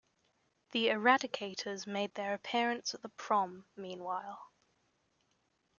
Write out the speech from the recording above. The Eradicators make their appearance at the prom, meanwhile.